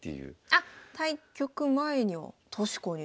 あっ対局前には確かに。